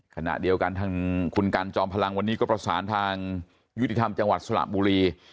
ขณะเดียวกันทางคุณกันจอมพลังวันนี้ก็ประสานทางยุติธรรมจังหวัดสระบุรี